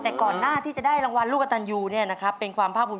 อันนี้หมาอยู่หรือเปล่าอ๊ออุ๊ย